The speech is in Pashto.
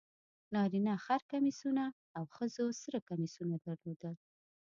نارینه خر کمیسونه او ښځو سره کمیسونه درلودل.